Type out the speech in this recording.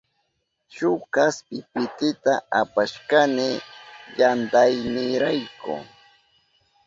Shuk kaspi pitita apashkani yantaynirayku.